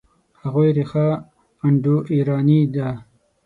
د هغوی ریښه انډوایراني ده.